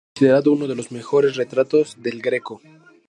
Es considerado uno de los mejores retratos de El Greco.